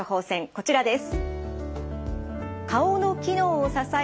こちらです。